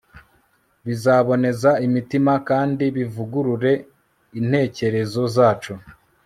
bizaboneza imitima kandi bivugurure intekerezo zacu